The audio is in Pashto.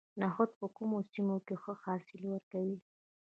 نخود په کومو سیمو کې ښه حاصل ورکوي؟